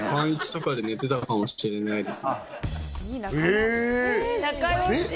へえ仲良し